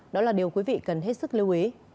đó là điều quý vị cần hết sức lưu ý